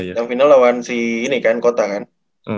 yang final lawan si ini kan kota kan